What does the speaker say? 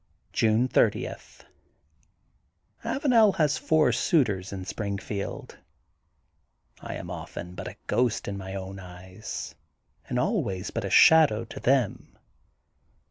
June 30: — ^Avanel has four suitors in Springfield. I am often but a ghost in my own eyes and always but shadow to them.